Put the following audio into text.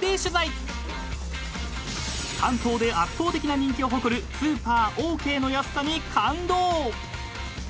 ［関東で圧倒的な人気を誇るスーパーオーケーの安さに感動！］